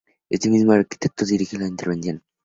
Este mismo arquitecto dirige la intervención.